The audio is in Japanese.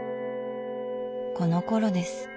このころです。